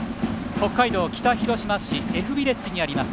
北海道北広島市Ｆビレッジにあります